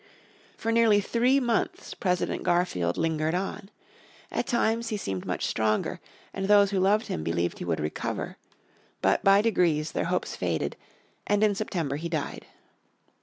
For nearly three months President Garfield lingered on. At times he seemed much stronger, and those who loved him believed he would recover. But by degrees their hopes faded, and in September he died.